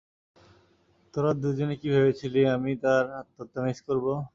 তোরা দুজনে কি ভেবেছিলি আমি তার আত্মহত্যা মিস করব?